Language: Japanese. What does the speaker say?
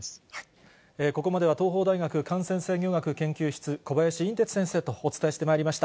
ここまでは、東邦大学感染制御学研究室、小林寅てつ先生とお伝えしてまいりました。